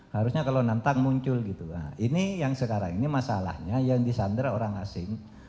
harusnya kalau nantang muncul gitu ini yang sekarang ini masalahnya yang disandra orang asing